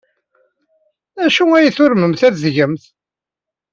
D acu ay turmemt ad t-tgemt?